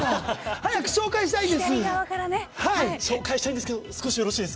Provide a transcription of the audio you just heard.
早く紹介したいんです！